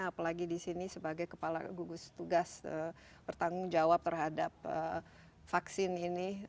apalagi disini sebagai kepala tugas pertanggung jawab terhadap vaksin ini